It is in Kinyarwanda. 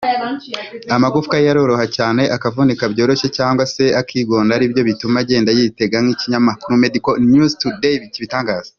amagufwa ye aroroha cyane akavunika byoroshye cyangwa se akigonda ari byo bituma agenda yitega nkuko ikinyamakuru Medicalnewstoday kibitangaza